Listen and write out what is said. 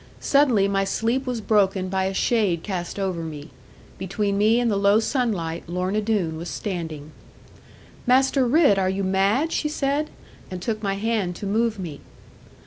Suddenly my sleep was broken by a shade cast over me; between me and the low sunlight Lorna Doone was standing. 'Master Ridd, are you mad?' she said, and took my hand to move me.